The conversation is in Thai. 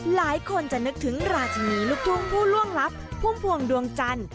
หลายคนจะนึกถึงราชินีลูกทุ่งผู้ล่วงลับพุ่มพวงดวงจันทร์